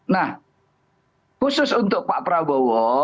nah khusus untuk pak prabowo